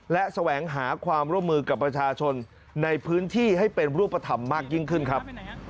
และแสวงหาความร่วมมือกับประชาชนในพื้นที่ให้เป็นรูปธรรมมากยิ่งขึ้นครับ